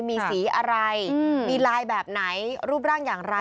มีสีอะไรมีลายแบบไหนรูปร่างอย่างไร